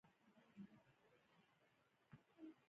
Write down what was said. د هېوادونو او ټولنو د اجتماعي قوت څېره میډیا ده.